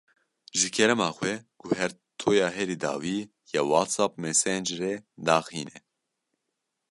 Ji kerema xwe guhertoya herî dawî ya WhatsApp Messengerê daxîne.